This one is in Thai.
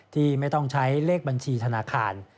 ที่ไม่ต้องใช้เลขบัญชีธนาคาร